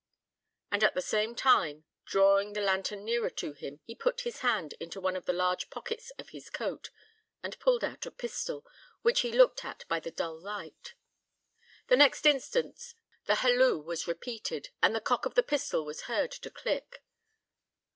And at the same time, drawing the lantern nearer to him, he put his hand into one of the large pockets of his coat, and pulled out a pistol, which he looked at by the dull light. The next instant the halloo was repeated, and the cock of the pistol was heard to click.